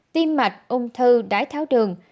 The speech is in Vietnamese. tim mạch ung thư đái tháo đường